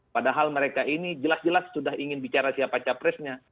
padahal mereka ini jelas jelas sudah ingin bicara siapa capresnya